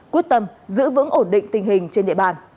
quyết tâm giữ vững ổn định tình hình trên địa bàn